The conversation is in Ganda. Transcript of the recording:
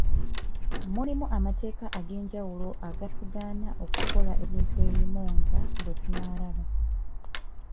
Mulimu amateeka ag'enjawulo agatakuganya kukola bintu bimu nga bwe tunaalaba.